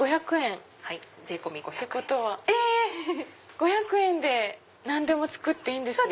５００円で何でも作っていいんですね。